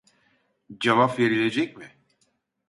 Cevap verilecek mi